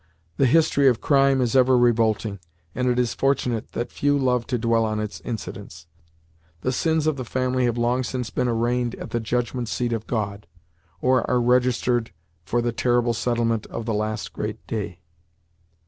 The history of crime is ever revolting, and it is fortunate that few love to dwell on its incidents. The sins of the family have long since been arraigned at the judgment seat of God, or are registered for the terrible settlement of the last great day.